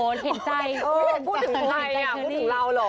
พูดถึงไทยอ่ะพูดถึงเราหรอ